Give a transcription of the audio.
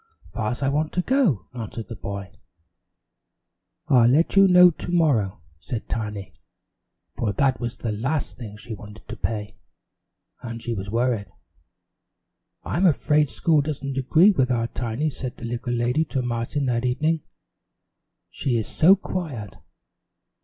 "Far's I want to go," answered the boy. "I'll let you know to morrow," said Tiny, for that was the last thing she wanted to pay, and she was worried. "I'm afraid school doesn't agree with our Tiny," said the little lady to Martin that evening, "she is so quiet."